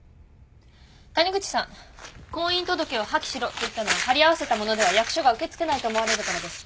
谷口さん婚姻届を破棄しろと言ったのは貼り合わせたものでは役所が受け付けないと思われるからです。